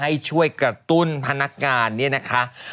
ให้ช่วยกระตุ้นพนักงานเนี่ยนะคะ